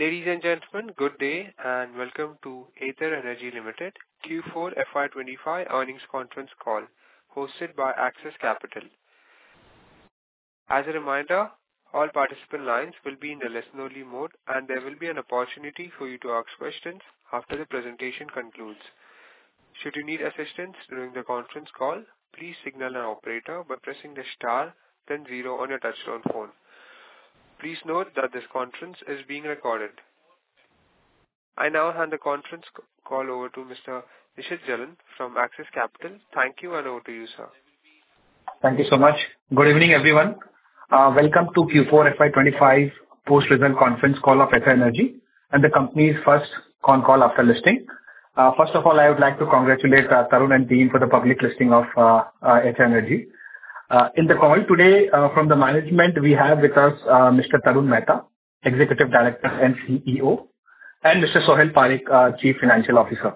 Ladies and gentlemen, good day and welcome to Ather Energy Limited Q4 FY 2025 earnings conference call, hosted by Axis Capital. As a reminder, all participant lines will be in the listener-only mode, and there will be an opportunity for you to ask questions after the presentation concludes. Should you need assistance during the conference call, please signal an operator by pressing the star, then zero on your touch-tone phone. Please note that this conference is being recorded. I now hand the conference call over to Mr. Nishit Jalan from Axis Capital. Thank you, and over to you, sir. Thank you so much. Good evening, everyone. Welcome to Q4 FY 2025 post-result conference call of Ather Energy and the company's first con call after listing. First of all, I would like to congratulate Tarun and team for the public listing of Ather Energy. In the call today, from the management, we have with us Mr. Tarun Mehta, Executive Director and CEO, and Mr. Sohil Parekh, Chief Financial Officer.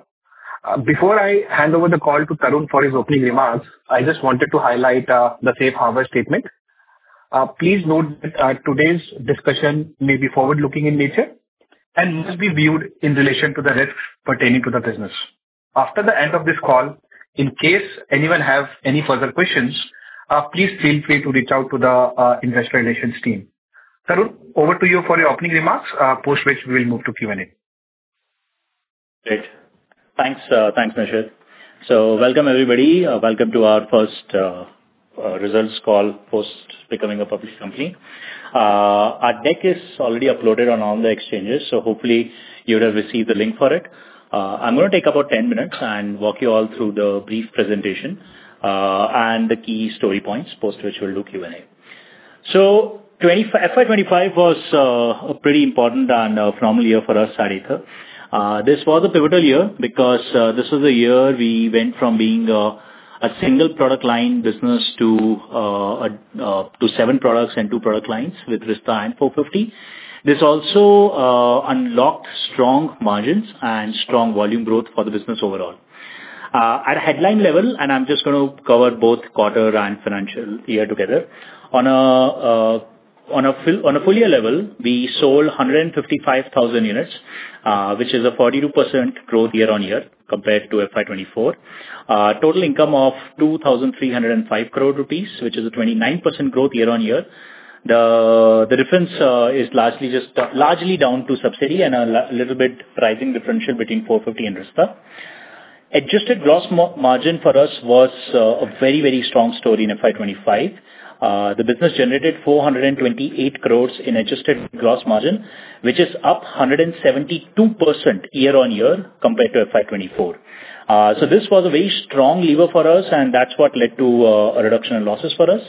Before I hand over the call to Tarun for his opening remarks, I just wanted to highlight the safe harbor statement. Please note that today's discussion may be forward-looking in nature and must be viewed in relation to the risks pertaining to the business. After the end of this call, in case anyone has any further questions, please feel free to reach out to the Investor Relations team. Tarun, over to you for your opening remarks, post which we will move to Q&A. Great. Thanks, Nishit. So welcome, everybody. Welcome to our first results call post becoming a public company. Our deck is already uploaded on all the exchanges, so hopefully you will have received the link for it. I'm going to take about 10 minutes and walk you all through the brief presentation and the key story points post which we'll do Q&A. So FY 2025 was a pretty important and phenomenal year for us at Ather. This was a pivotal year because this was the year we went from being a single product line business to seven products and two product lines with Rizta and 450. This also unlocked strong margins and strong volume growth for the business overall. At a headline level, and I'm just going to cover both quarter and financial year together, on a full year level, we sold 155,000 units, which is a 42% growth year-on-year compared to FY 2024. Total income of 2,305 crore rupees, which is a 29% growth year-on-year. The difference is largely down to subsidy and a little bit pricing differential between 450 and Rizta. Adjusted gross margin for us was a very, very strong story in FY 2025. The business generated 428 crore in adjusted gross margin, which is up 172% year-on-year compared to FY 2024. So this was a very strong lever for us, and that's what led to a reduction in losses for us.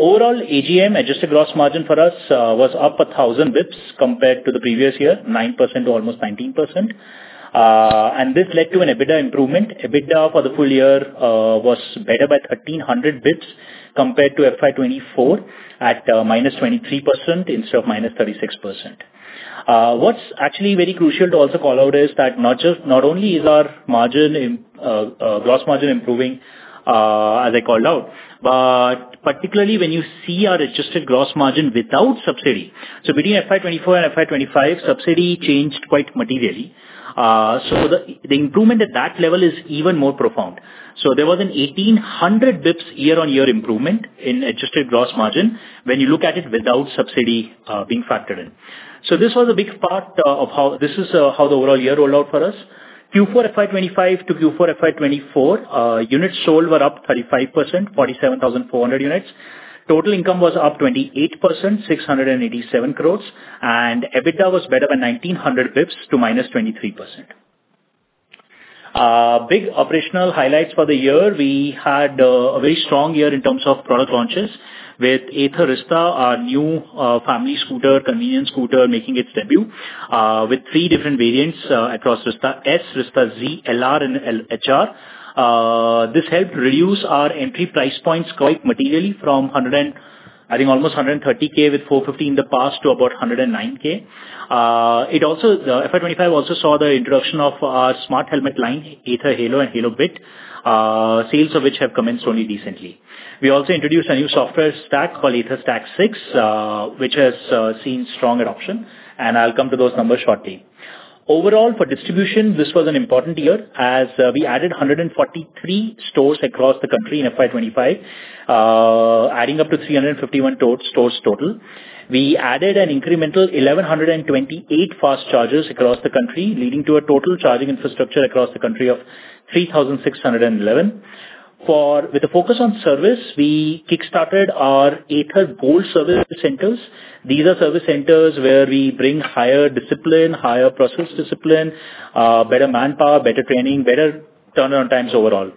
Overall, AGM adjusted gross margin for us was up 1,000 basis points compared to the previous year, 9% to almost 19%. And this led to an EBITDA improvement. EBITDA for the full year was better by 1,300 basis points compared to FY 2024 at minus 23% instead of minus 36%. What's actually very crucial to also call out is that not only is our gross margin improving, as I called out, but particularly when you see our adjusted gross margin without subsidy. So between FY 2024 and FY 2025, subsidy changed quite materially. So the improvement at that level is even more profound. So there was a 1,800 basis points year-on-year improvement in adjusted gross margin when you look at it without subsidy being factored in. So this was a big part of how this is the overall year rolled out for us. Q4 FY 2025 to Q4 FY 2024, units sold were up 35%, 47,400 units. Total income was up 28%, 687 crores, and EBITDA was better by 1,900 basis points to minus 23%. Big operational highlights for the year. We had a very strong year in terms of product launches with Ather Rizta, our new family scooter, convenience scooter, making its debut with three different variants across Rizta S, Rizta Z, LR, and LHR. This helped reduce our entry price points quite materially from, I think, almost 130,000 with 450 in the past to about 109,000. It also, FY 2025 also saw the introduction of our smart helmet line, Ather Halo and Halo Bit, sales of which have commenced only recently. We also introduced a new software stack called AtherStack 6, which has seen strong adoption, and I'll come to those numbers shortly. Overall, for distribution, this was an important year as we added 143 stores across the country in FY 2025, adding up to 351 stores total. We added an incremental 1,128 fast chargers across the country, leading to a total charging infrastructure across the country of 3,611. With a focus on service, we kickstarted our Ather Gold Service Centres. These are service centers where we bring higher discipline, higher process discipline, better manpower, better training, better turnaround times overall,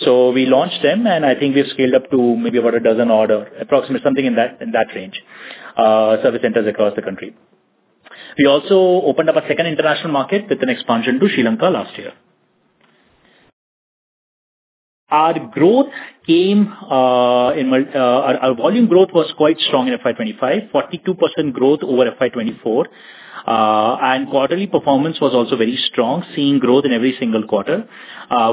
so we launched them, and I think we've scaled up to maybe about a dozen or so, approximately something in that range, service centers across the country. We also opened up a second international market with an expansion to Sri Lanka last year. Our growth came, our volume growth was quite strong in FY 2025, 42% growth over FY 2024, and quarterly performance was also very strong, seeing growth in every single quarter.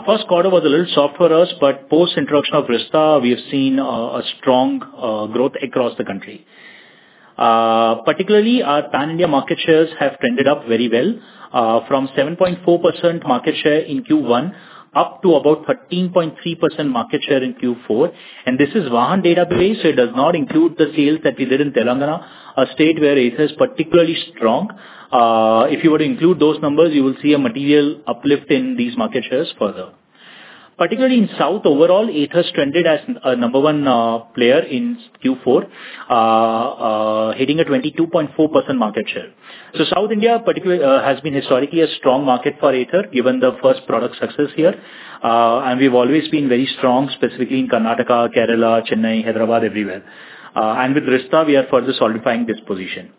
First quarter was a little soft for us, but post-introduction of Rizta, we have seen a strong growth across the country. Particularly, our pan-India market shares have trended up very well from 7.4% market share in Q1 up to about 13.3% market share in Q4. This is Vahan database, so it does not include the sales that we did in Telangana, a state where Ather is particularly strong. If you were to include those numbers, you will see a material uplift in these market shares further. Particularly in South, overall, Ather has trended as a number one player in Q4, hitting a 22.4% market share. South India has been historically a strong market for Ather, given the first product success here. We've always been very strong, specifically in Karnataka, Kerala, Chennai, Hyderabad, everywhere. With Rizta, we are further solidifying this position.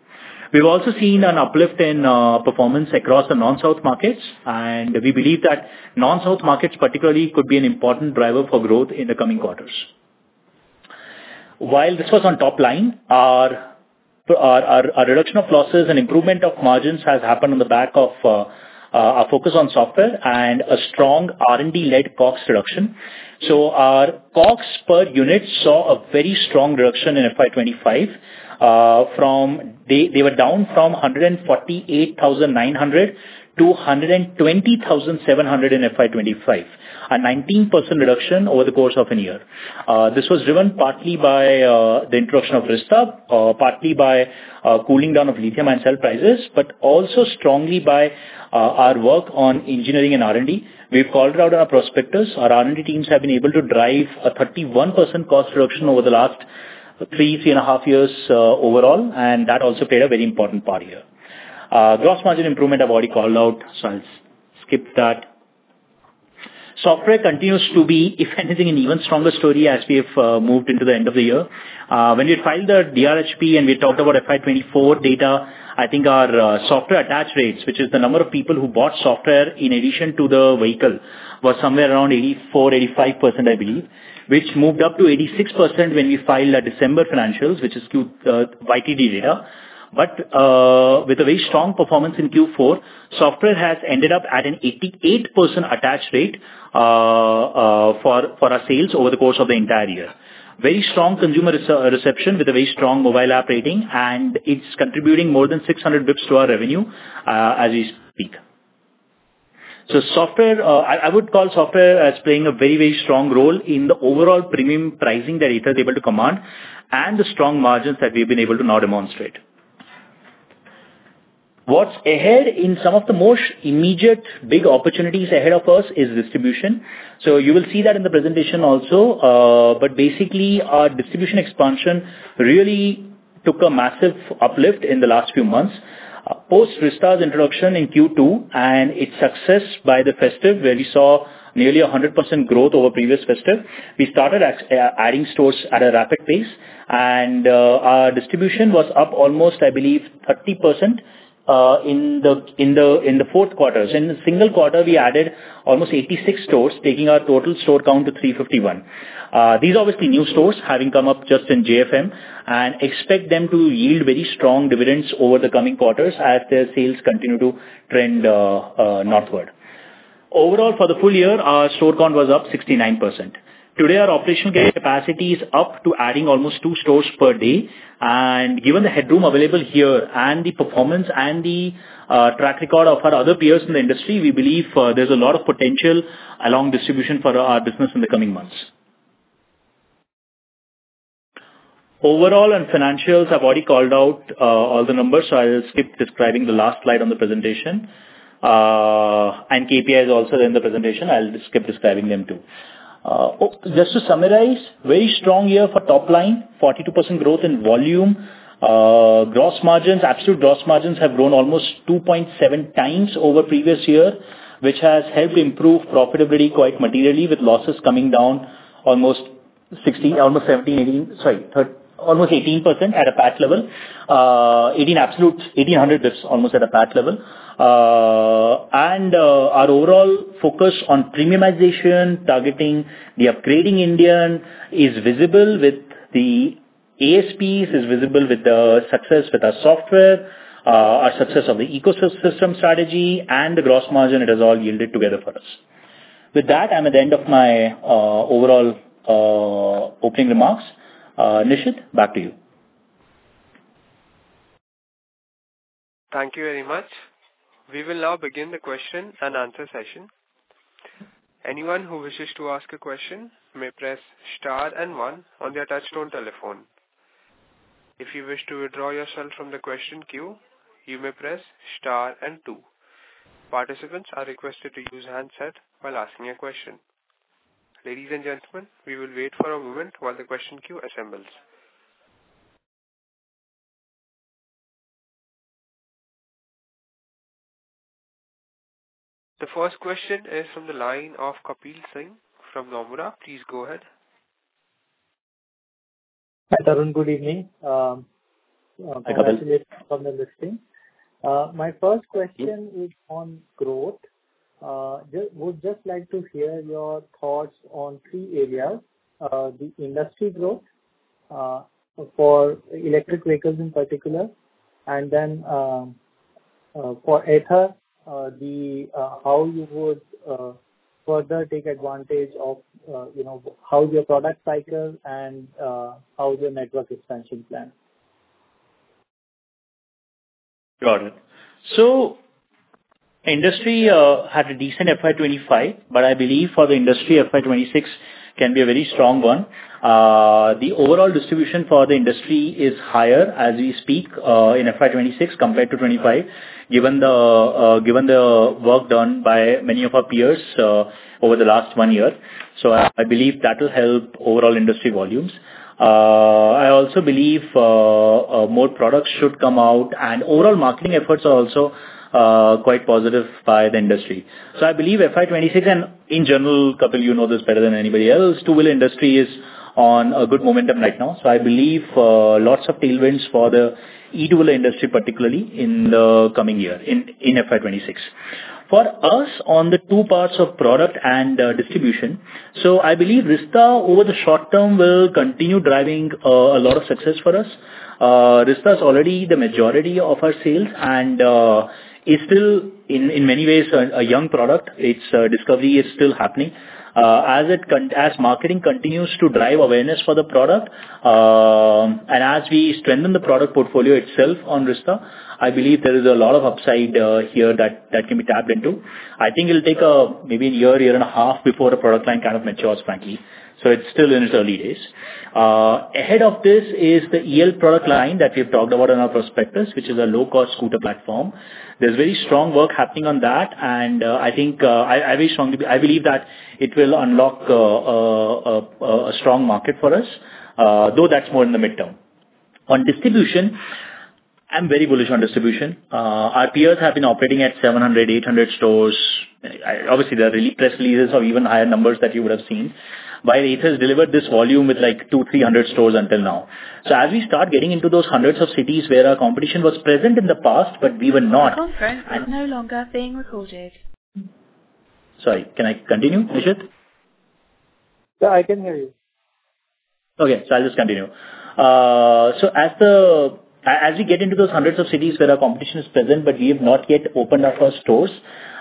We've also seen an uplift in performance across the non-South markets, and we believe that non-South markets particularly could be an important driver for growth in the coming quarters. While this was on top line, our reduction of losses and improvement of margins has happened on the back of our focus on software and a strong R&D-led COGS reduction. So our COGS per unit saw a very strong reduction in FY 2025. They were down from 148,900 to 120,700 in FY 2025, a 19% reduction over the course of a year. This was driven partly by the introduction of Rizta, partly by cooling down of lithium and cell prices, but also strongly by our work on engineering and R&D. We've called it out on our prospectus. Our R&D teams have been able to drive a 31% cost reduction over the last three, three and a half years overall, and that also played a very important part here. Gross margin improvement I've already called out, so I'll skip that. Software continues to be, if anything, an even stronger story as we have moved into the end of the year. When we filed the DRHP and we talked about FY 2024 data, I think our software attach rates, which is the number of people who bought software in addition to the vehicle, was somewhere around 84-85%, I believe, which moved up to 86% when we filed our December financials, which is Q2 YTD data. But with a very strong performance in Q4, software has ended up at an 88% attach rate for our sales over the course of the entire year. Very strong consumer reception with a very strong mobile app rating, and it's contributing more than 600 basis points to our revenue as we speak. I would call software as playing a very, very strong role in the overall premium pricing that Ather is able to command and the strong margins that we've been able to now demonstrate. What's ahead in some of the most immediate big opportunities ahead of us is distribution. You will see that in the presentation also, but basically, our distribution expansion really took a massive uplift in the last few months post Rizta's introduction in Q2 and its success by the festive where we saw nearly 100% growth over previous festive. We started adding stores at a rapid pace, and our distribution was up almost, I believe, 30% in the fourth quarter. In the single quarter, we added almost 86 stores, taking our total store count to 351. These are obviously new stores having come up just in JFM, and expect them to yield very strong dividends over the coming quarters as their sales continue to trend northward. Overall, for the full year, our store count was up 69%. Today, our operational capacity is up to adding almost two stores per day, and given the headroom available here and the performance and the track record of our other peers in the industry, we believe there's a lot of potential along distribution for our business in the coming months. Overall, on financials, I've already called out all the numbers, so I'll skip describing the last slide on the presentation, and KPIs also in the presentation, I'll skip describing them too. Just to summarize, very strong year for top line, 42% growth in volume. Gross margins, absolute gross margins have grown almost 2.7 times over previous year, which has helped improve profitability quite materially with losses coming down almost 17, 18, sorry, almost 18% at a P&L level. 18 absolute, 1,800 basis points almost at a P&L level. And our overall focus on premiumization, targeting the upgrading Indian is visible with the ASPs is visible with the success with our software, our success of the ecosystem strategy, and the gross margin it has all yielded together for us. With that, I'm at the end of my overall opening remarks. Nishit, back to you. Thank you very much. We will now begin the question and answer session. Anyone who wishes to ask a question may press star and one on their touch-tone telephone. If you wish to withdraw yourself from the question queue, you may press star and two. Participants are requested to use handset while asking a question. Ladies and gentlemen, we will wait for a moment while the question queue assembles. The first question is from the line of Kapil Singh from Nomura. Please go ahead. Hi, Tarun. Good evening. Congratulations on the listing. My first question is on growth. Would just like to hear your thoughts on three areas: the industry growth for electric vehicles in particular, and then for Ather, how you would further take advantage of how your product cycle and how your network expansion plan? Got it. So industry had a decent FY 2025, but I believe for the industry, FY 2026 can be a very strong one. The overall distribution for the industry is higher as we speak in FY 2026 compared to 2025, given the work done by many of our peers over the last one year. So I believe that will help overall industry volumes. I also believe more products should come out, and overall marketing efforts are also quite positive by the industry. So I believe FY 2026, and in general, Kapil, you know this better than anybody else, two-wheeler industry is on a good momentum right now. So I believe lots of tailwinds for the e-two-wheeler industry, particularly in the coming year in FY 2026. For us, on the two parts of product and distribution, so I believe Rizta over the short term will continue driving a lot of success for us. Rizta is already the majority of our sales and is still, in many ways, a young product. Its discovery is still happening. As marketing continues to drive awareness for the product and as we strengthen the product portfolio itself on Rizta, I believe there is a lot of upside here that can be tapped into. I think it'll take maybe a year, year and a half before the product line kind of matures, frankly. So it's still in its early days. Ahead of this is the EL Platform that we've talked about in our prospectus, which is a low-cost scooter platform. There's very strong work happening on that, and I think I believe that it will unlock a strong market for us, though that's more in the midterm. On distribution, I'm very bullish on distribution. Our peers have been operating at 700, 800 stores. Obviously, there are press releases of even higher numbers that you would have seen, while Ather has delivered this volume with like 200, 300 stores until now. So as we start getting into those hundreds of cities where our competition was present in the past, but we were not. Welcome, folks. It's no longer being recorded. Sorry. Can I continue, Nishit? Yeah, I can hear you. Okay. So I'll just continue. So as we get into those hundreds of cities where our competition is present, but we have not yet opened up our stores,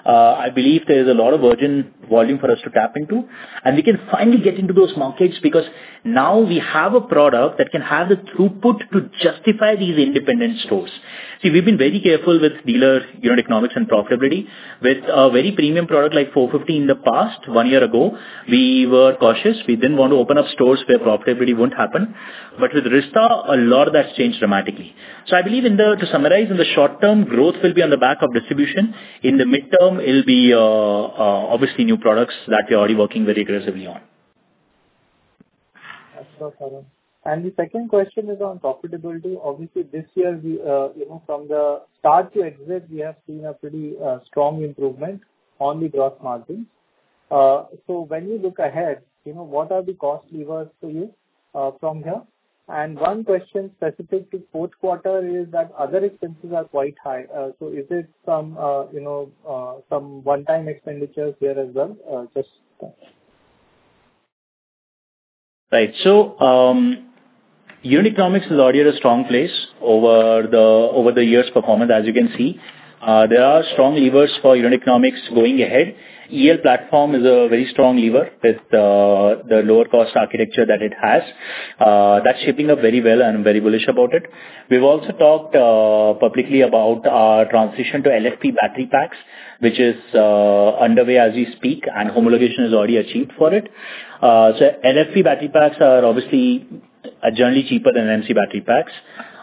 I believe there is a lot of virgin volume for us to tap into. And we can finally get into those markets because now we have a product that can have the throughput to justify these independent stores. See, we've been very careful with dealer economics and profitability. With a very premium product like 450 in the past, one year ago, we were cautious. We didn't want to open up stores where profitability won't happen. But with Rizta, a lot of that's changed dramatically. So I believe to summarize, in the short term, growth will be on the back of distribution. In the midterm, it'll be obviously new products that we're already working very aggressively on. Absolutely, Tarun. And the second question is on profitability. Obviously, this year, from the start to exit, we have seen a pretty strong improvement on the gross margins. So when you look ahead, what are the cost levers for you from here? And one question specific to fourth quarter is that other expenses are quite high. So is it some one-time expenditures here as well? Just. Right. So unit economics is already at a strong place over the year's performance, as you can see. There are strong levers for unit economics going ahead. EL platform is a very strong lever with the lower-cost architecture that it has. That's shaping up very well, and I'm very bullish about it. We've also talked publicly about our transition to LFP battery packs, which is underway as we speak, and homologation is already achieved for it. So LFP battery packs are obviously generally cheaper than NMC battery packs.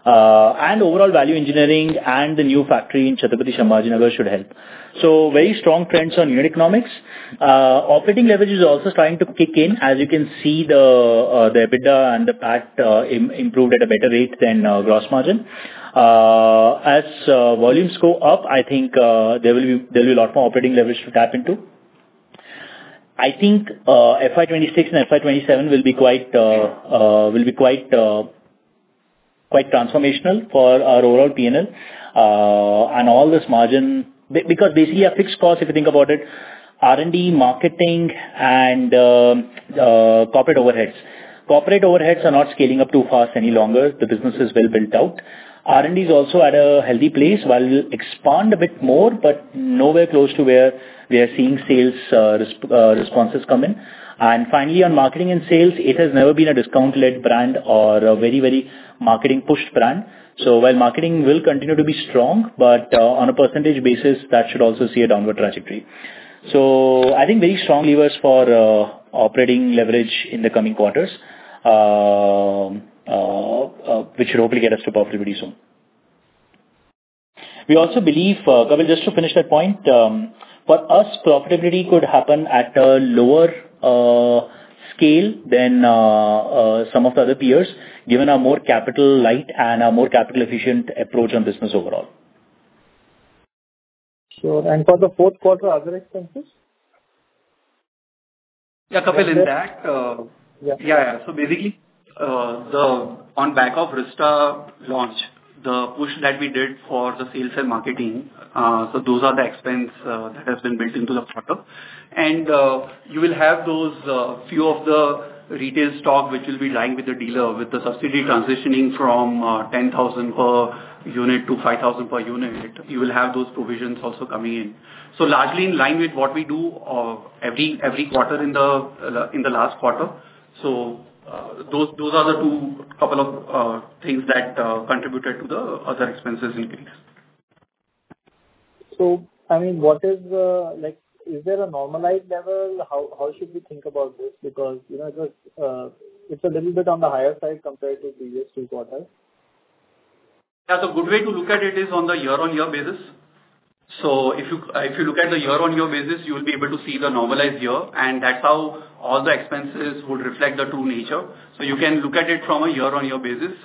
And overall value engineering and the new factory in Chhatrapati Sambhajinagar should help. So very strong trends on unit economics. Operating leverage is also starting to kick in. As you can see, the EBITDA and the PAT improved at a better rate than gross margin. As volumes go up, I think there will be a lot more operating leverage to tap into. I think FY 2026 and FY 2027 will be quite transformational for our overall P&L and all this margin because basically a fixed cost, if you think about it, R&D, marketing, and corporate overheads. Corporate overheads are not scaling up too fast any longer. The business is well built out. R&D is also at a healthy place. While we'll expand a bit more, but nowhere close to where we are seeing sales responses come in. And finally, on marketing and sales, it has never been a discount-led brand or a very, very marketing-pushed brand. So while marketing will continue to be strong, but on a percentage basis, that should also see a downward trajectory. So I think very strong levers for operating leverage in the coming quarters, which should hopefully get us to profitability soon. We also believe, Kapil, just to finish that point, for us, profitability could happen at a lower scale than some of the other peers, given our more capital-light and our more capital-efficient approach on business overall. Sure. And for the fourth quarter, other expenses? Yeah, Kapil, in that. Yeah. Yeah, yeah. So basically, on back of Rizta launch, the push that we did for the sales and marketing, so those are the expense that has been built into the product. And you will have those few of the retail stock which will be lying with the dealer with the subsidy transitioning from 10,000 per unit to 5,000 per unit. You will have those provisions also coming in. So largely in line with what we do every quarter in the last quarter. So those are the two couple of things that contributed to the other expenses increase. I mean, is there a normalized level? How should we think about this? Because it's a little bit on the higher side compared to previous two quarters. Yeah, so a good way to look at it is on the year-on-year basis, so if you look at the year-on-year basis, you'll be able to see the normalized year, and that's how all the expenses would reflect the true nature, so you can look at it from a year-on-year basis,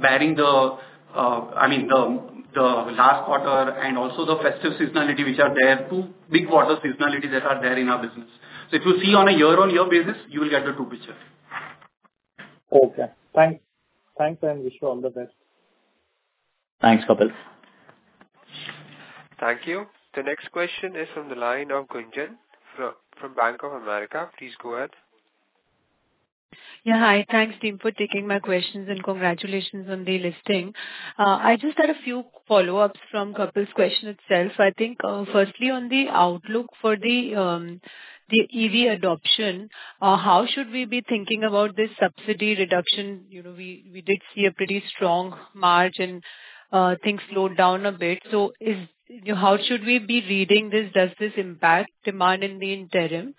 bearing the, I mean, the last quarter and also the festive seasonality, which are there two big quarter seasonalities that are there in our business, so if you see on a year-on-year basis, you will get the true picture. Okay. Thanks. Thanks, and wish you all the best. Thanks, Kapil. Thank you. The next question is from the line of Gunjan from Bank of America. Please go ahead. Yeah, hi. Thanks, team, for taking my questions and congratulations on the listing. I just had a few follow-ups from Kapil's question itself. I think, firstly, on the outlook for the EV adoption, how should we be thinking about this subsidy reduction? We did see a pretty strong margin. Things slowed down a bit. So how should we be reading this? Does this impact demand in the interim?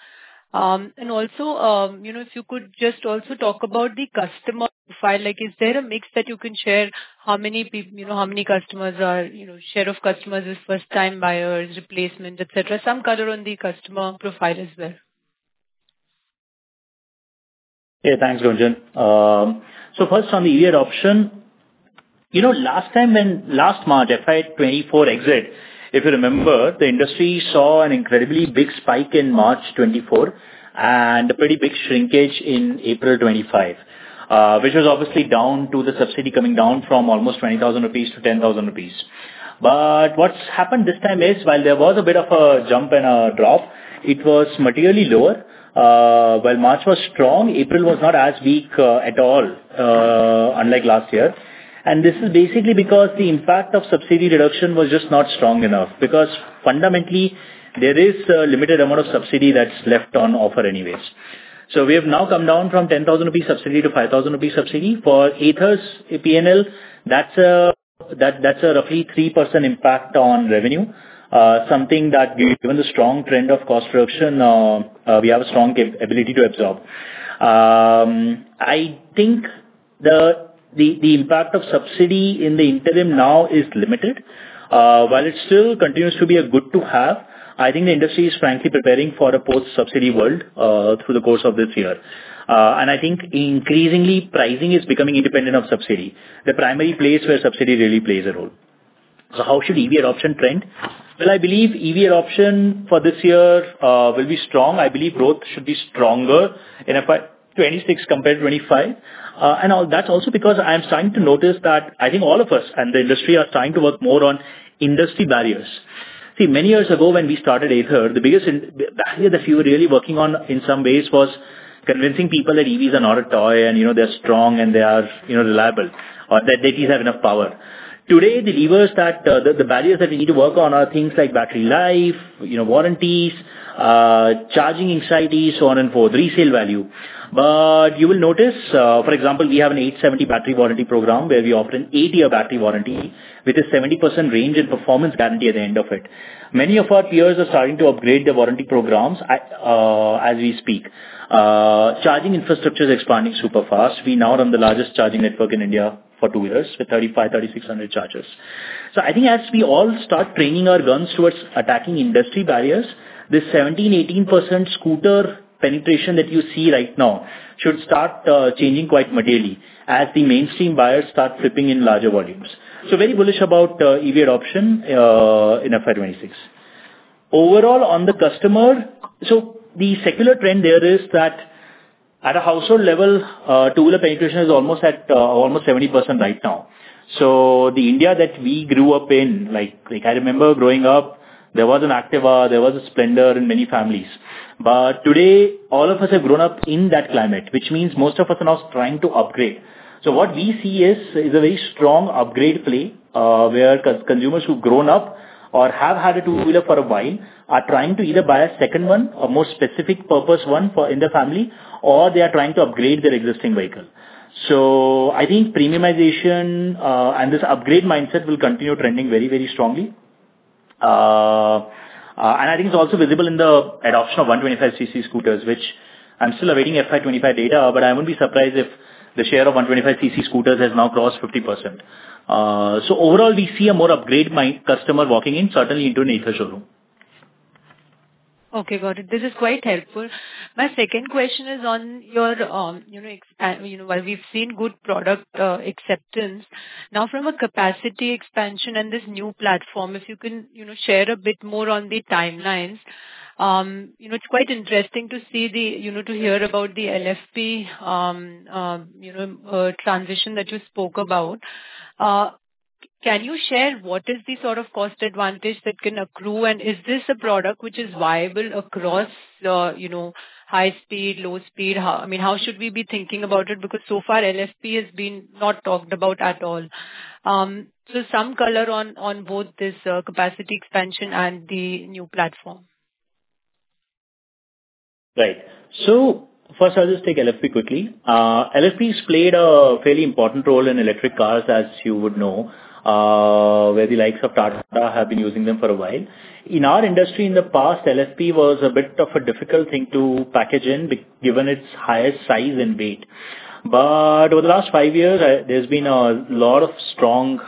And also, if you could just also talk about the customer profile, is there a mix that you can share how many customers are share of customers is first-time buyers, replacement, etc.? Some color on the customer profile as well. Yeah, thanks, Gunjan. So first, on the EV adoption, last time when last March FY 2024 exit, if you remember, the industry saw an incredibly big spike in March 2024 and a pretty big shrinkage in April 2025, which was obviously down to the subsidy coming down from almost 20,000 rupees to 10,000 rupees. But what's happened this time is, while there was a bit of a jump and a drop, it was materially lower. While March was strong, April was not as weak at all, unlike last year. And this is basically because the impact of subsidy reduction was just not strong enough because, fundamentally, there is a limited amount of subsidy that's left on offer anyways. So we have now come down from 10,000 rupees subsidy to 5,000 rupees subsidy. For Ather's P&L, that's a roughly 3% impact on revenue, something that, given the strong trend of cost reduction, we have a strong ability to absorb. I think the impact of subsidy in the interim now is limited. While it still continues to be a good-to-have, I think the industry is frankly preparing for a post-subsidy world through the course of this year. I think, increasingly, pricing is becoming independent of subsidy, the primary place where subsidy really plays a role. So how should EV adoption trend? I believe EV adoption for this year will be strong. I believe growth should be stronger in FY 2026 compared to FY 2025. That's also because I'm starting to notice that I think all of us and the industry are starting to work more on industry barriers. See, many years ago, when we started Ather, the biggest barrier that we were really working on in some ways was convincing people that EVs are not a toy and they're strong and they are reliable, that they have enough power. Today, the levers that the barriers that we need to work on are things like battery life, warranties, charging anxiety, so on and so forth, resale value. But you will notice, for example, we have an 8-70 battery warranty program where we offer an eight-year battery warranty with a 70% range and performance guarantee at the end of it. Many of our peers are starting to upgrade their warranty programs as we speak. Charging infrastructure is expanding super fast. We now run the largest charging network in India for two years with 3,500-3,600 chargers. I think, as we all start training our guns towards attacking industry barriers, this 17%-18% scooter penetration that you see right now should start changing quite materially as the mainstream buyers start flipping in larger volumes. I am very bullish about EV adoption in FY 2026. Overall, on the customer, the secular trend there is that, at a household level, two-wheeler penetration is almost 70% right now. The India that we grew up in, like I remember growing up, there was an Activa, there was a Splendor in many families. But today, all of us have grown up in that climate, which means most of us are now trying to upgrade. What we see is a very strong upgrade play where consumers who've grown up or have had a two-wheeler for a while are trying to either buy a second one, a more specific purpose one in the family, or they are trying to upgrade their existing vehicle. I think premiumization and this upgrade mindset will continue trending very, very strongly. I think it's also visible in the adoption of 125cc scooters, which I'm still awaiting FY 2025 data, but I wouldn't be surprised if the share of 125cc scooters has now crossed 50%. Overall, we see a more upgrade customer walking in, certainly into an Ather showroom. Okay, got it. This is quite helpful. My second question is on your, well, we've seen good product acceptance. Now, from a capacity expansion and this new platform, if you can share a bit more on the timelines, it's quite interesting to hear about the LFP transition that you spoke about. Can you share what is the sort of cost advantage that can accrue? And is this a product which is viable across high-speed, low-speed? I mean, how should we be thinking about it? Because so far, LFP has been not talked about at all. So some color on both this capacity expansion and the new platform. Right. So first, I'll just take LFP quickly. LFP has played a fairly important role in electric cars, as you would know, where the likes of Tata have been using them for a while. In our industry, in the past, LFP was a bit of a difficult thing to package in, given its higher size and weight. But over the last five years, there's been a lot of strong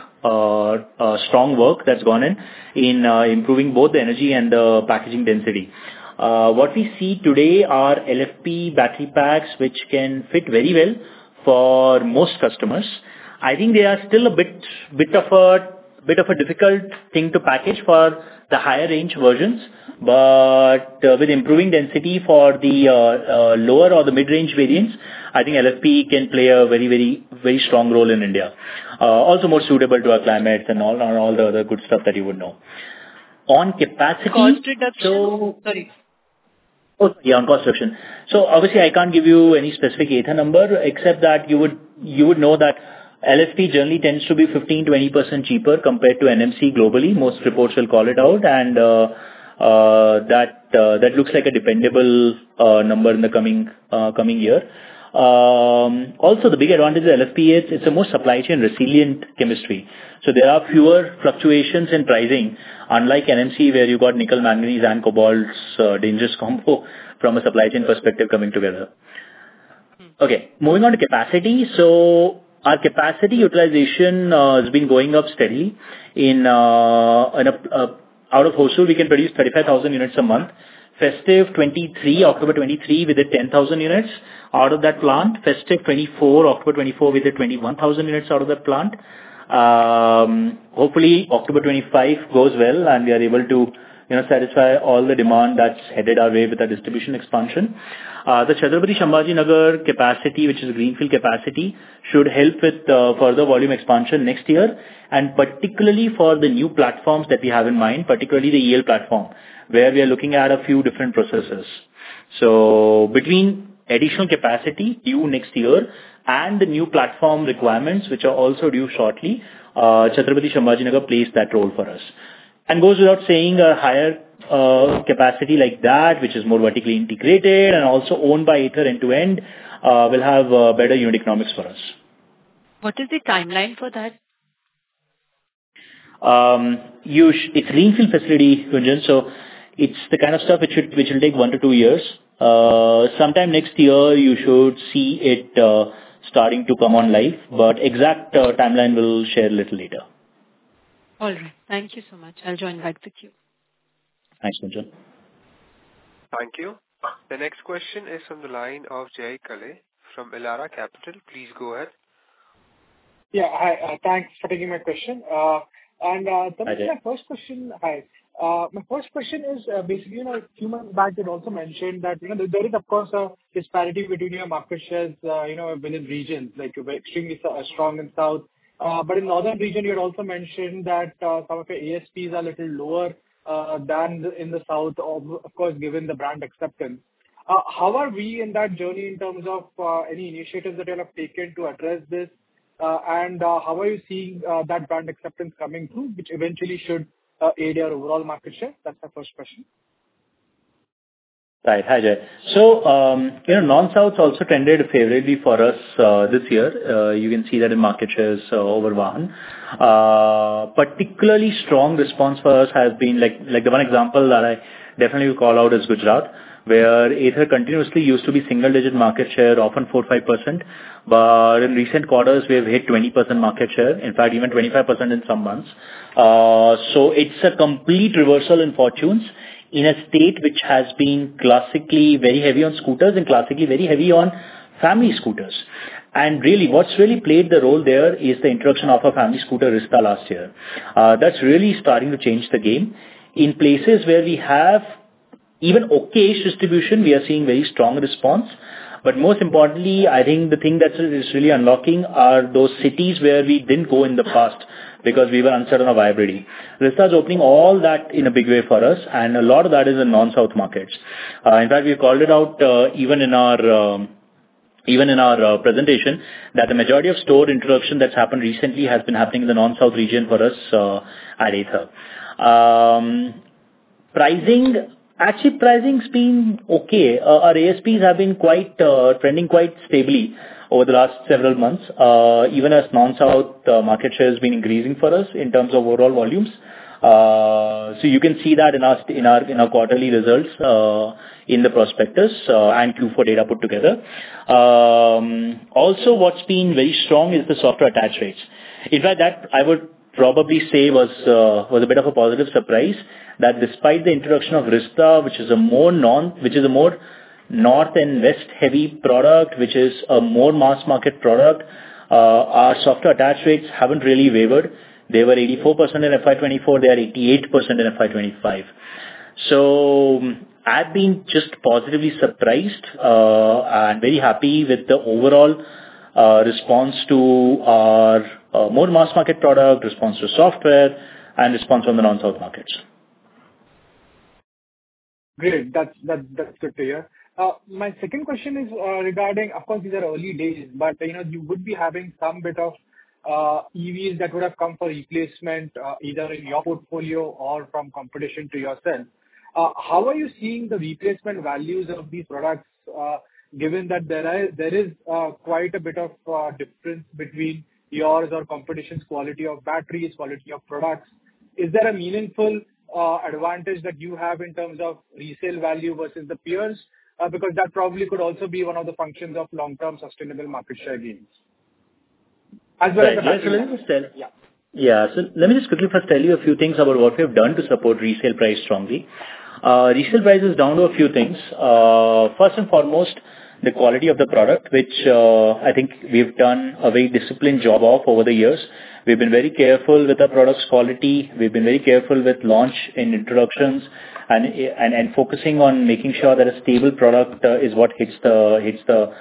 work that's gone in in improving both the energy and the packaging density. What we see today are LFP battery packs, which can fit very well for most customers. I think they are still a bit of a difficult thing to package for the higher-range versions. But with improving density for the lower or the mid-range variants, I think LFP can play a very, very strong role in India, also more suitable to our climate and all the other good stuff that you would know. On capacity. Construction. Sorry. Oh, yeah, on construction. So obviously, I can't give you any specific Ather number, except that you would know that LFP generally tends to be 15%-20% cheaper compared to NMC globally. Most reports will call it out. And that looks like a dependable number in the coming year. Also, the big advantage of LFP is it's a more supply-chain resilient chemistry. So there are fewer fluctuations in pricing, unlike NMC, where you've got nickel, manganese, and cobalt's dangerous combo from a supply chain perspective coming together. Okay. Moving on to capacity. So our capacity utilization has been going up steadily. Out of Hosur, we can produce 35,000 units a month. Festive October 2023, we did 10,000 units out of that plant. Festive October 2024, we did 21,000 units out of that plant. Hopefully, October 2025 goes well, and we are able to satisfy all the demand that's headed our way with our distribution expansion. The Chhatrapati Sambhajinagar capacity, which is a greenfield capacity, should help with further volume expansion next year, and particularly for the new platforms that we have in mind, particularly the EL platform, where we are looking at a few different processes. So between additional capacity due next year and the new platform requirements, which are also due shortly, Chhatrapati Sambhajinagar plays that role for us. And goes without saying, a higher capacity like that, which is more vertically integrated and also owned by Ather end-to-end, will have better unit economics for us. What is the timeline for that? It's a greenfield facility, Gunjan. So it's the kind of stuff which will take one to two years. Sometime next year, you should see it starting to come online. But exact timeline we'll share a little later. All right. Thank you so much. I'll join back with you. Thanks, Gunjan. Thank you. The next question is from the line of Jay Kale from Elara Capital. Please go ahead. Yeah. Hi. Thanks for taking my question. And my first question is, basically, a few months back, you also mentioned that there is, of course, a disparity between your market shares within regions. You were extremely strong in the south. But in the northern region, you had also mentioned that some of your ASPs are a little lower than in the south, of course, given the brand acceptance. How are we in that journey in terms of any initiatives that you have taken to address this? And how are you seeing that brand acceptance coming through, which eventually should aid your overall market share? That's my first question. Right. Hi, Jay. So non-souths also tended favorably for us this year. You can see that in market share movement. Particularly strong response for us has been like the one example that I definitely will call out is Gujarat, where Ather continuously used to be single-digit market share, often 4%, 5%. But in recent quarters, we have hit 20% market share, in fact, even 25% in some months. So it's a complete reversal in fortunes in a state which has been classically very heavy on scooters and classically very heavy on family scooters. And really, what's really played the role there is the introduction of a family scooter, Rizta, last year. That's really starting to change the game. In places where we have even okay distribution, we are seeing very strong response. But most importantly, I think the thing that is really unlocking are those cities where we didn't go in the past because we were uncertain of viability. Rizta is opening all that in a big way for us. And a lot of that is in non-south markets. In fact, we called it out even in our presentation that the majority of store introduction that's happened recently has been happening in the non-south region for us at Ather. Actually, pricing's been okay. Our ASPs have been trending quite stably over the last several months, even as non-south market share has been increasing for us in terms of overall volumes. So you can see that in our quarterly results in the prospectus and Q4 data put together. Also, what's been very strong is the software attach rates. In fact, that I would probably say was a bit of a positive surprise that, despite the introduction of Rizta, which is a more north and west-heavy product, which is a more mass-market product, our software attach rates haven't really wavered. They were 84% in FY 2024. They are 88% in FY 2025, so I've been just positively surprised and very happy with the overall response to our more mass-market product, response to software, and response from the non-south markets. Great. That's good to hear. My second question is regarding, of course, these are early days, but you would be having some bit of EVs that would have come for replacement either in your portfolio or from competition to yourself. How are you seeing the replacement values of these products, given that there is quite a bit of difference between yours or competition's quality of batteries, quality of products? Is there a meaningful advantage that you have in terms of resale value versus the peers? Because that probably could also be one of the functions of long-term sustainable market share gains. As well as. Yeah. So let me just quickly first tell you a few things about what we have done to support resale price strongly. Resale prices down to a few things. First and foremost, the quality of the product, which I think we've done a very disciplined job of over the years. We've been very careful with our product's quality. We've been very careful with launch and introductions and focusing on making sure that a stable product is what hits the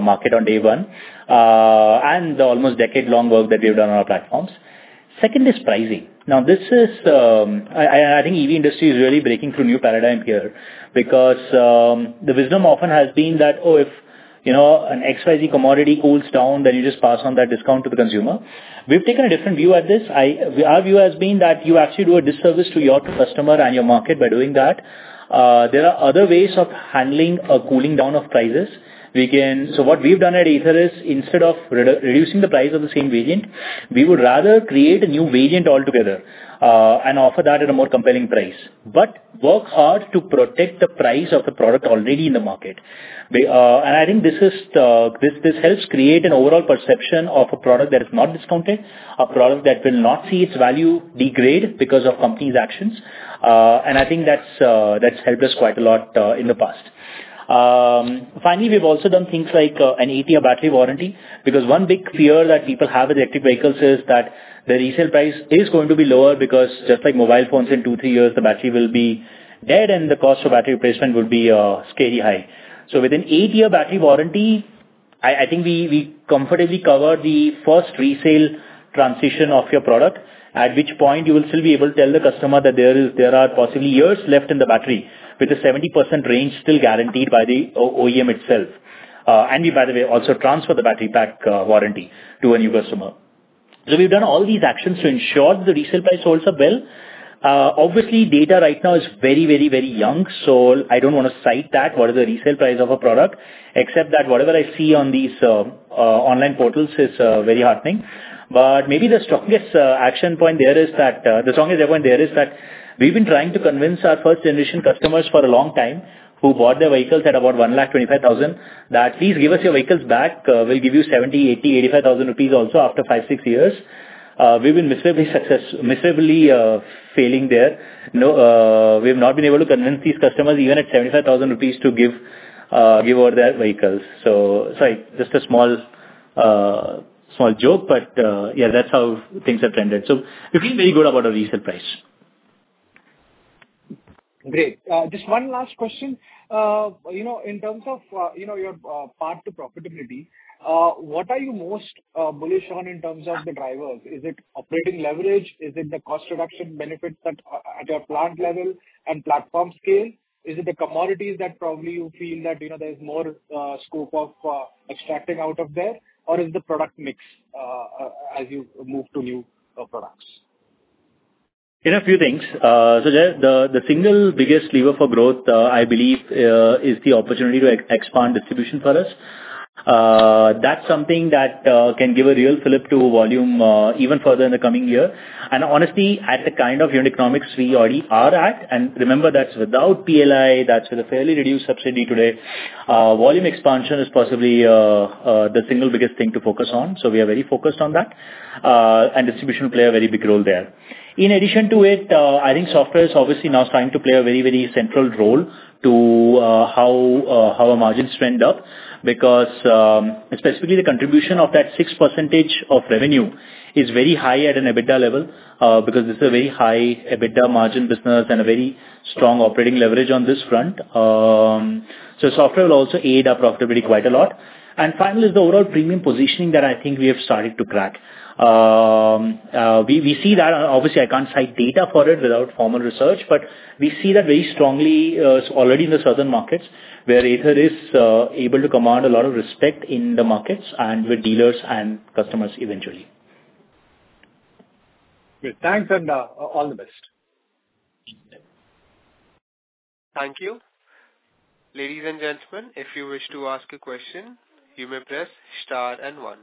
market on day one, and the almost decade-long work that we've done on our platforms. Second is pricing. Now, this is, I think, EV industry is really breaking through a new paradigm here because the wisdom often has been that, "Oh, if an XYZ commodity cools down, then you just pass on that discount to the consumer." We've taken a different view at this. Our view has been that you actually do a disservice to your customer and your market by doing that. There are other ways of handling a cooling down of prices, so what we've done at Ather is, instead of reducing the price of the same variant, we would rather create a new variant altogether and offer that at a more compelling price, but work hard to protect the price of the product already in the market, and I think this helps create an overall perception of a product that is not discounted, a product that will not see its value degrade because of companies' actions, and I think that's helped us quite a lot in the past. Finally, we've also done things like an eight-year battery warranty because one big fear that people have with electric vehicles is that the resale price is going to be lower because, just like mobile phones in two, three years, the battery will be dead, and the cost of battery replacement would be scary high. So with an eight-year battery warranty, I think we comfortably cover the first resale transition of your product, at which point you will still be able to tell the customer that there are possibly years left in the battery with a 70% range still guaranteed by the OEM itself, and we, by the way, also transfer the battery pack warranty to a new customer. So we've done all these actions to ensure that the resale price holds up well. Obviously, data right now is very, very, very young. So I don't want to cite that, what is the resale price of a product, except that whatever I see on these online portals is very heartening. But maybe the strongest action point there is that the strongest point there is that we've been trying to convince our first-generation customers for a long time who bought their vehicles at about 125,000 that, "Please give us your vehicles back. We'll give you 70,000, 80,000, 85,000 rupees also after five, six years." We've been miserably failing there. We have not been able to convince these customers even at 75,000 rupees to give over their vehicles. So sorry, just a small joke, but yeah, that's how things have trended. So we've been very good about our resale price. Great. Just one last question. In terms of your path to profitability, what are you most bullish on in terms of the drivers? Is it operating leverage? Is it the cost reduction benefits at your plant level and platform scale? Is it the commodities that probably you feel that there's more scope of extracting out of there? Or is it the product mix as you move to new products? There are a few things. So the single biggest lever for growth, I believe, is the opportunity to expand distribution for us. That's something that can give a real flip to volume even further in the coming year. And honestly, at the kind of unit economics we already are at, and remember, that's without PLI, that's with a fairly reduced subsidy today, volume expansion is possibly the single biggest thing to focus on. So we are very focused on that. And distribution will play a very big role there. In addition to it, I think software is obviously now starting to play a very, very central role to how our margins trend up because specifically the contribution of that 6% of revenue is very high at an EBITDA level because this is a very high EBITDA margin business and a very strong operating leverage on this front. So software will also aid our profitability quite a lot. And finally, is the overall premium positioning that I think we have started to crack. We see that. Obviously, I can't cite data for it without formal research, but we see that very strongly already in the southern markets, where Ather is able to command a lot of respect in the markets and with dealers and customers eventually. Great. Thanks, and all the best. Thank you. Ladies and gentlemen, if you wish to ask a question, you may press star and one.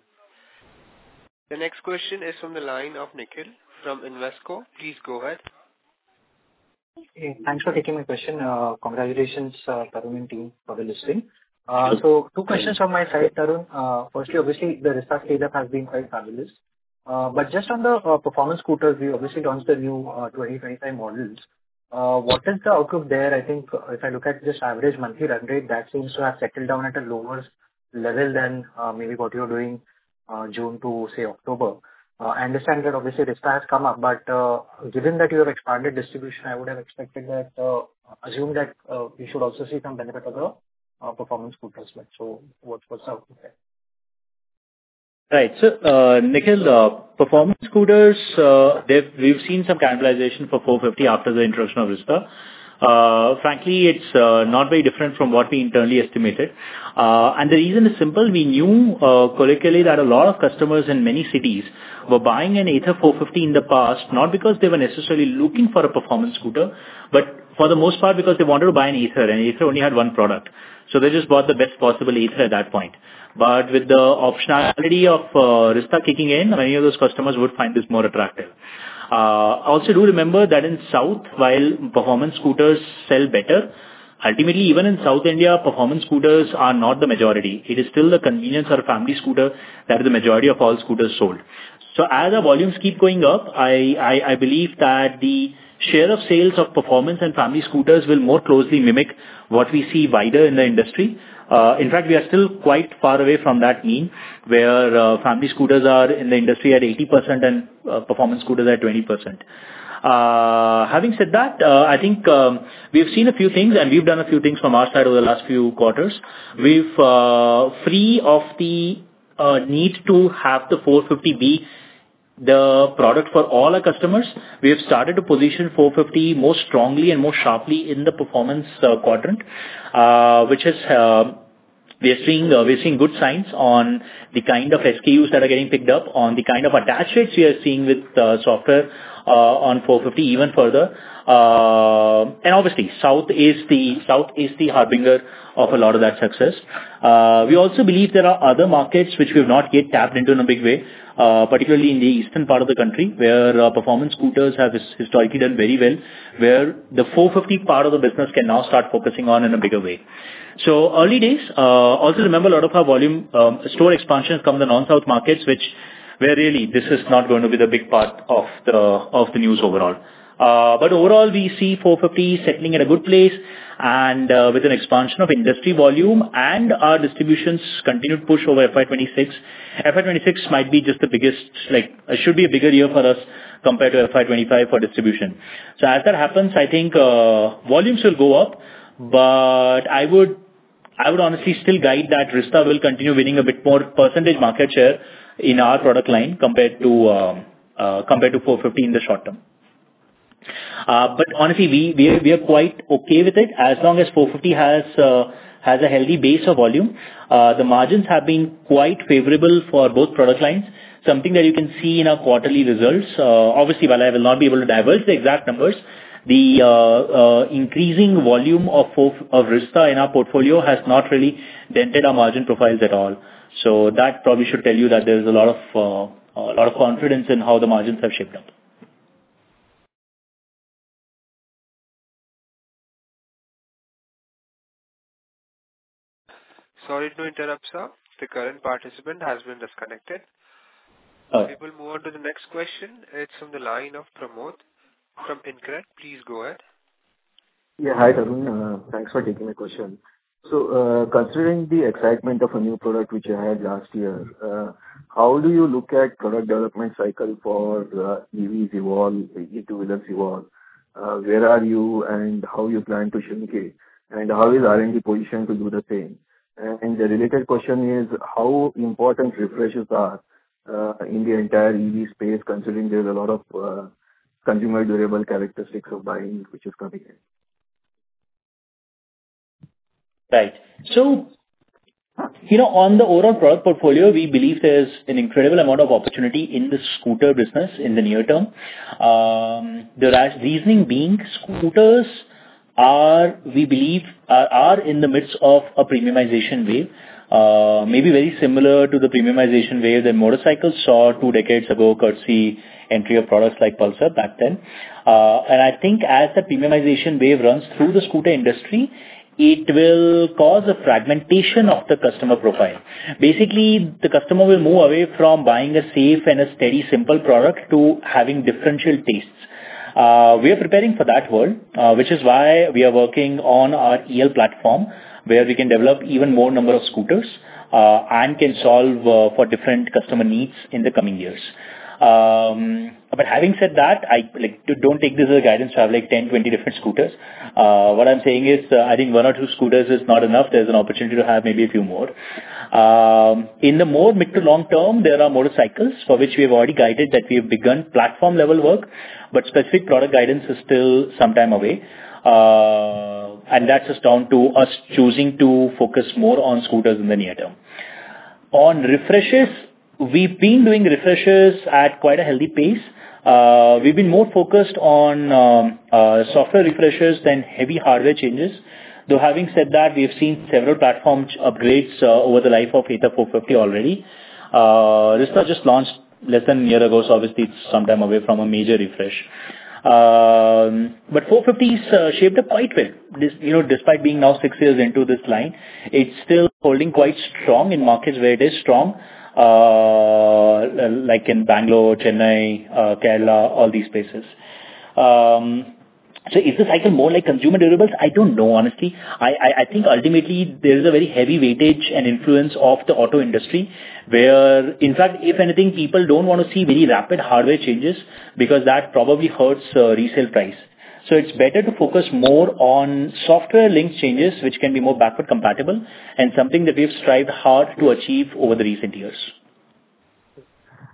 The next question is from the line of Nikhil from Invesco. Please go ahead. Thanks for taking my question. Congratulations, Tarun and team, for the listing. So two questions from my side, Tarun. Firstly, obviously, the Rizta scale-up has been quite fabulous. But just on the performance scooters, we obviously launched the new 2025 models. What is the outlook there? I think if I look at just average monthly run rate, that seems to have settled down at a lower level than maybe what you're doing June to, say, October. I understand that, obviously, Rizta has come up, but given that you have expanded distribution, I would have expected that assumed that we should also see some benefit of the performance scooters. So what's the outlook there? Right. So Nikhil, performance scooters, we've seen some cannibalization for 450 after the introduction of Rizta. Frankly, it's not very different from what we internally estimated. And the reason is simple. We knew colloquially that a lot of customers in many cities were buying an Ather 450 in the past, not because they were necessarily looking for a performance scooter, but for the most part because they wanted to buy an Ather, and Ather only had one product. So they just bought the best possible Ather at that point. But with the optionality of Rizta kicking in, many of those customers would find this more attractive. I also do remember that in the South, while performance scooters sell better, ultimately, even in South India, performance scooters are not the majority. It is still the convenience or family scooter that is the majority of all scooters sold. So as our volumes keep going up, I believe that the share of sales of performance and family scooters will more closely mimic what we see wider in the industry. In fact, we are still quite far away from that mean where family scooters are in the industry at 80% and performance scooters at 20%. Having said that, I think we have seen a few things, and we've done a few things from our side over the last few quarters. We've freed up the need to have the 450 be the product for all our customers. We have started to position 450 more strongly and more sharply in the performance quadrant, which is we are seeing good signs on the kind of SKUs that are getting picked up, on the kind of attach rates we are seeing with software on 450 even further. And obviously, south is the harbinger of a lot of that success. We also believe there are other markets which we have not yet tapped into in a big way, particularly in the eastern part of the country where performance scooters have historically done very well, where the 450 part of the business can now start focusing on in a bigger way. So early days, also remember a lot of our volume store expansion has come in the non-south markets, which were really this is not going to be the big part of the news overall. But overall, we see 450 settling in a good place and with an expansion of industry volume and our distribution's continued push over FY 2026. FY 2026 might be just the biggest should be a bigger year for us compared to FY 2025 for distribution. So as that happens, I think volumes will go up, but I would honestly still guide that Rizta will continue winning a bit more percentage market share in our product line compared to 450 in the short term. But honestly, we are quite okay with it as long as 450 has a healthy base of volume. The margins have been quite favorable for both product lines, something that you can see in our quarterly results. Obviously, while I will not be able to divulge the exact numbers, the increasing volume of Rizta in our portfolio has not really dented our margin profiles at all. So that probably should tell you that there's a lot of confidence in how the margins have shaped up. Sorry to interrupt, sir. The current participant has been disconnected. We will move on to the next question. It's from the line of Pramod from InCred. Please go ahead. Yeah. Hi, Tarun. Thanks for taking my question. So considering the excitement of a new product which you had last year, how do you look at the product development cycle for EVs evolve, EV two-wheelers evolve? Where are you, and how do you plan to showcase? And how is R&D positioned to do the same? And the related question is, how important refreshers are in the entire EV space considering there's a lot of consumer durable characteristics of buying which is coming in? Right. So on the overall product portfolio, we believe there's an incredible amount of opportunity in the scooter business in the near term. The reasoning being scooters are, we believe, in the midst of a premiumization wave, maybe very similar to the premiumization wave that motorcycles saw two decades ago courtesy of entry of products like Pulsar back then. I think as the premiumization wave runs through the scooter industry, it will cause a fragmentation of the customer profile. Basically, the customer will move away from buying a safe and a steady, simple product to having differential tastes. We are preparing for that world, which is why we are working on our EL platform where we can develop even more number of scooters and can solve for different customer needs in the coming years. But having said that, don't take this as a guidance to have like 10, 20 different scooters. What I'm saying is, I think one or two scooters is not enough. There's an opportunity to have maybe a few more. In the more mid to long term, there are motorcycles for which we have already guided that we have begun platform-level work, but specific product guidance is still sometime away. That's just down to us choosing to focus more on scooters in the near term. On refreshers, we've been doing refreshers at quite a healthy pace. We've been more focused on software refreshers than heavy hardware changes. Though having said that, we have seen several platform upgrades over the life of Ather 450 already. Rizta just launched less than a year ago, so obviously, it's sometime away from a major refresh. But 450 is shaped up quite well. Despite being now six years into this line, it's still holding quite strong in markets where it is strong, like in Bangalore, Chennai, Kerala, all these places. Is the cycle more like consumer durables? I don't know, honestly. I think ultimately, there is a very heavy weightage and influence of the auto industry where, in fact, if anything, people don't want to see very rapid hardware changes because that probably hurts resale price. So it's better to focus more on software-linked changes, which can be more backward compatible and something that we have strived hard to achieve over the recent years.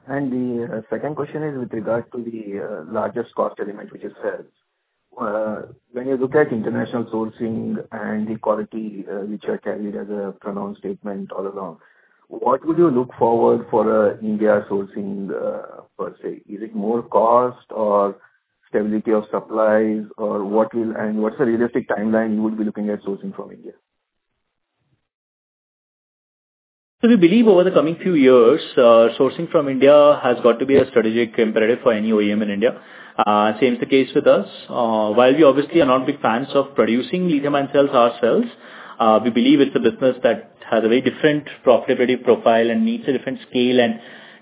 And the second question is with regard to the largest cost element, which is cells. When you look at international sourcing and the quality which you have carried as a pronounced statement all along, what would you look forward for India sourcing per se? Is it more cost or stability of supplies, or what's the realistic timeline you would be looking at sourcing from India? So we believe over the coming few years, sourcing from India has got to be a strategic imperative for any OEM in India. Same is the case with us. While we obviously are not big fans of producing lithium-ion cells ourselves, we believe it's a business that has a very different profitability profile and needs a different scale and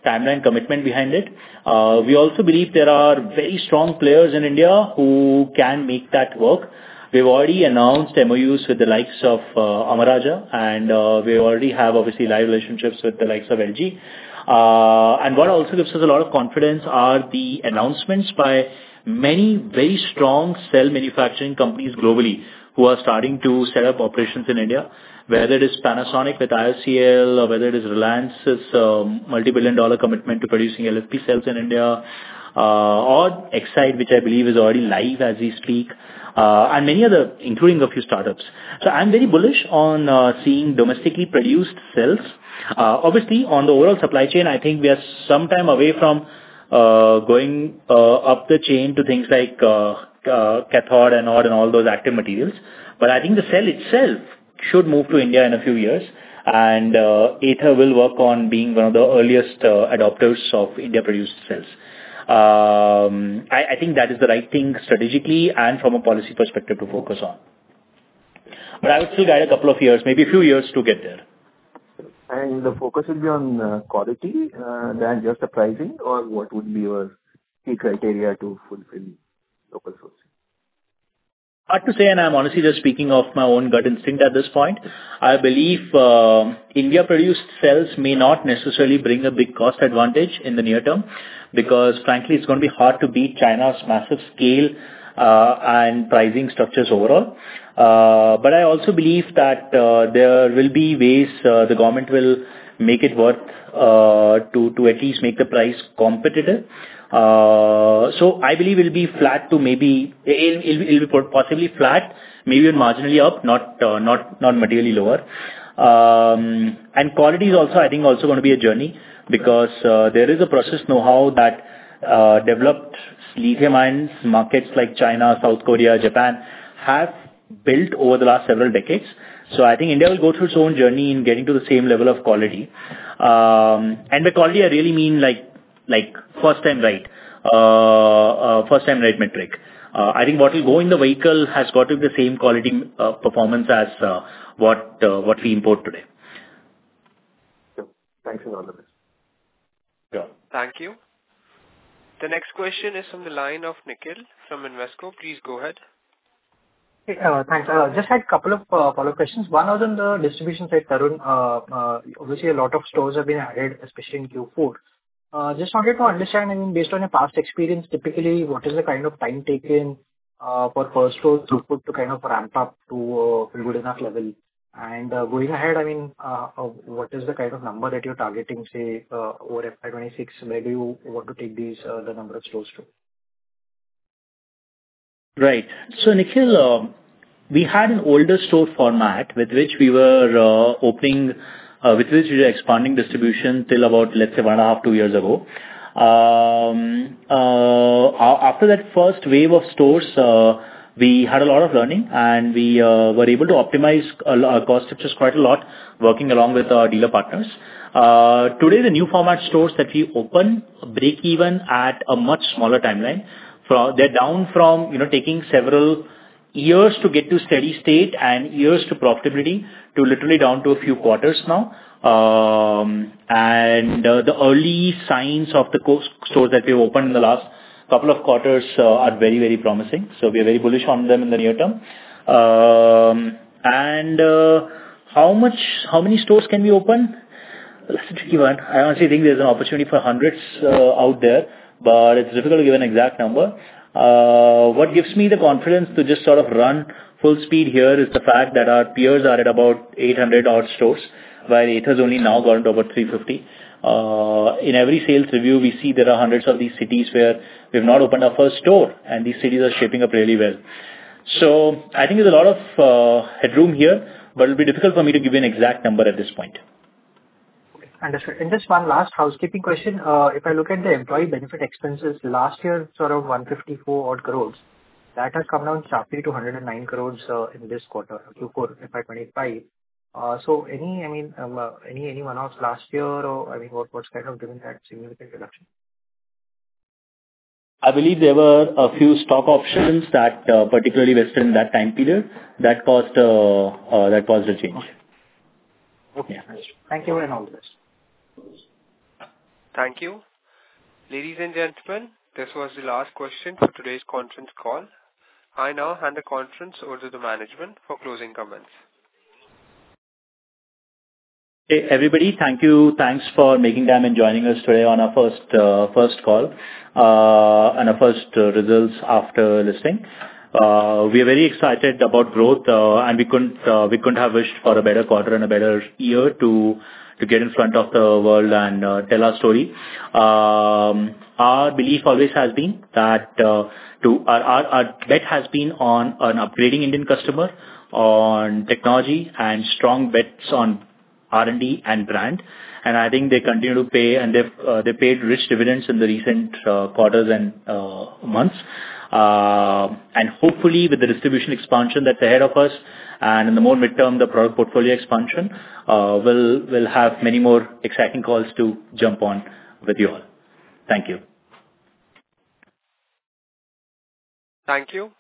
timeline commitment behind it. We also believe there are very strong players in India who can make that work. We have already announced MOUs with the likes of Amara Raja, and we already have obviously live relationships with the likes of LG. What also gives us a lot of confidence are the announcements by many very strong cell manufacturing companies globally who are starting to set up operations in India, whether it is Panasonic with IOCL or whether it is Reliance's multi-billion dollar commitment to producing LFP cells in India or Exide, which I believe is already live as we speak, and many other, including a few startups. So I'm very bullish on seeing domestically produced cells. Obviously, on the overall supply chain, I think we are sometime away from going up the chain to things like cathode and anode and all those active materials. But I think the cell itself should move to India in a few years, and Ather will work on being one of the earliest adopters of India-produced cells. I think that is the right thing strategically and from a policy perspective to focus on. But I would still guide a couple of years, maybe a few years to get there. And the focus will be on quality, then you're surprising, or what would be your key criteria to fulfill local sourcing? Hard to say, and I'm honestly just speaking off my own gut instinct at this point. I believe India-produced cells may not necessarily bring a big cost advantage in the near term because, frankly, it's going to be hard to beat China's massive scale and pricing structures overall, but I also believe that there will be ways the government will make it worth to at least make the price competitive, so I believe it will be flat to maybe it will be possibly flat, maybe marginally up, not materially lower. Quality is also, I think, also going to be a journey because there is a process know-how that developed lithium-ion markets like China, South Korea, Japan have built over the last several decades. I think India will go through its own journey in getting to the same level of quality. By quality, I really mean first-time right metric. I think what will go in the vehicle has got to be the same quality performance as what we import today. Sure. Thanks and all the best. Thank you. The next question is from the line of Nikhil from Invesco. Please go ahead. Thanks. Just had a couple of follow-up questions. One was on the distribution side, Tarun. Obviously, a lot of stores have been added, especially in Q4. Just wanted to understand, I mean, based on your past experience, typically, what is the kind of time taken for first stores to kind of ramp up to a good enough level? And going ahead, I mean, what is the kind of number that you're targeting, say, over FY 2026? Where do you want to take the number of stores to? Right. So Nikhil, we had an older store format with which we were opening, with which we were expanding distribution till about, let's say, one and a half, two years ago. After that first wave of stores, we had a lot of learning, and we were able to optimize cost structures quite a lot, working along with our dealer partners. Today, the new format stores that we open break even at a much smaller timeline. They're down from taking several years to get to steady state and years to profitability to literally down to a few quarters now. The early signs of the stores that we have opened in the last couple of quarters are very, very promising. We are very bullish on them in the near term. How many stores can we open? That's a tricky one. I honestly think there's an opportunity for hundreds out there, but it's difficult to give an exact number. What gives me the confidence to just sort of run full speed here is the fact that our peers are at about 800-odd stores, while Ather has only now gone to about 350. In every sales review, we see there are hundreds of these cities where we have not opened our first store, and these cities are shaping up really well. So I think there's a lot of headroom here, but it'll be difficult for me to give you an exact number at this point. Okay. Understood. And just one last housekeeping question. If I look at the employee benefit expenses last year, sort of 154-odd crores, that has come down sharply to 109 crores in this quarter, Q4, FY 2025. So I mean, any one-offs last year or, I mean, what's kind of given that significant reduction? I believe there were a few stock options that particularly were in that time period that caused a change. Okay. Yeah. Thank you for your knowledge. Thank you. Ladies and gentlemen, this was the last question for today's conference call. I now hand the conference over to the management for closing comments. Hey, everybody. Thank you. Thanks for making time and joining us today on our first call and our first results after listing. We are very excited about growth, and we couldn't have wished for a better quarter and a better year to get in front of the world and tell our story. Our belief always has been that our bet has been on an upgrading Indian customer on technology and strong bets on R&D and brand. And I think they continue to pay, and they've paid rich dividends in the recent quarters and months. And hopefully, with the distribution expansion that's ahead of us and in the more midterm, the product portfolio expansion, we'll have many more exciting calls to jump on with you all. Thank you. Thank you.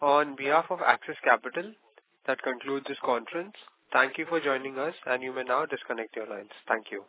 On behalf of Axis Capital, that concludes this conference. Thank you for joining us, and you may now disconnect your lines. Thank you.